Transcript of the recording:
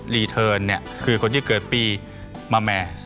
รีเทิร์นเนี่ยคือคนที่เกิดปีมาแม่